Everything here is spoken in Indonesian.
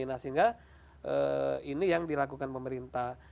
nah sehingga ini yang dilakukan pemerintah